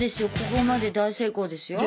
ここまで大成功ですよ。